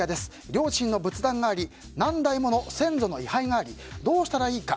両親の仏壇があり何代もの先祖の位牌がありどうしたらいいか。